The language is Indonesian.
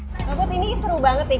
mbak putri ini seru banget nih